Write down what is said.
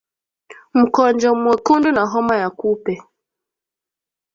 Mkonjo Mwekundu wa homa ya kupe